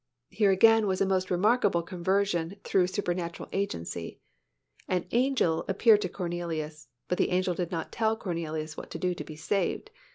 Here again was a most remarkable conversion through supernatural agency. "An angel" appeared to Cornelius, but the angel did not tell Cornelius what to do to be saved.